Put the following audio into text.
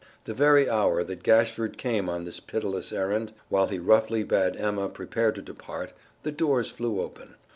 The very hour that Gashford came on this pitiless errand, while he roughly bade Emma prepare to depart, the doors flew open.